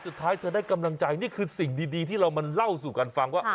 สุดท้ายเธอได้กำลังใจนี่คือสิ่งดีที่เรามาเล่าสู่กันฟังว่า